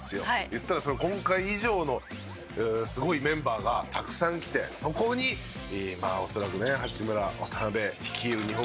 言ったらその今回以上のすごいメンバーがたくさん来てそこに恐らくね。